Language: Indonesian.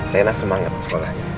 lena semangat sekolahnya